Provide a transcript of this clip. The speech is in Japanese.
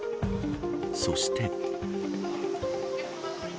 そして。